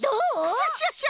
クシャシャシャ。